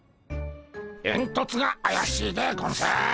えんとつがあやしいでゴンス。